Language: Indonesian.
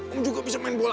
om juga bisa main bola